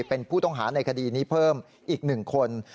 เป็นผู้ต้องหาในคดีนี้เพิ่มอีก๑คน